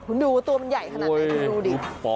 คุณดูตัวมันใหญ่ขนาดไหนคุณดูดิ